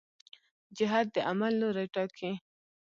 جهت د عمل لوری ټاکي.